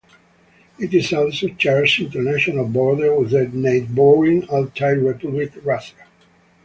It is also shares international border with the neighboring Altai Republic, Russia.